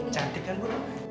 cantik kan bu